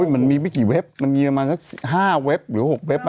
มันมีกี่เว็บมันเงียบมา๕เว็บหรือ๖เว็บ